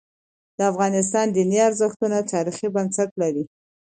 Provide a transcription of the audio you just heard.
د افغانستان دیني ارزښتونه تاریخي بنسټ لري.